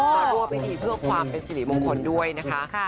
มาร่วมพิธีเพื่อความเป็นสิริมงคลด้วยนะคะ